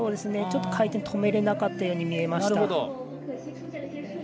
ちょっと回転を止められなかったように見えました。